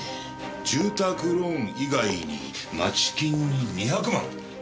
住宅ローン以外に街金に２００万。